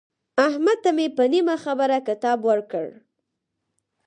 احمد ته مې په نیمه خبره کتاب ورکړ.